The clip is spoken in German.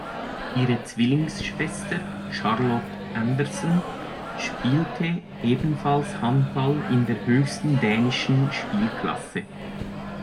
Ihre Zwillingsschwester Charlotte Andersen spielte ebenfalls Handball in der höchsten dänischen Spielklasse.